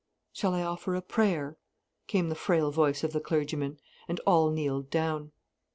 "Shall I offer a prayer?" came the frail voice of the clergyman, and all kneeled down.